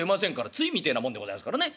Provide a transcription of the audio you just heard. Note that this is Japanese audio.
対みてえなもんでございやすからね。